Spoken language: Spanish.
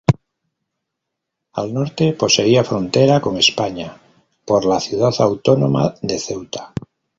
Al norte poseía frontera con España, por la ciudad autónoma de Ceuta.